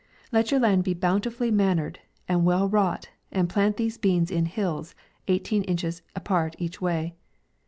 Let your land be bountifully manured and well wrought, and plant these beans in hills, eighteen inch es apart each way.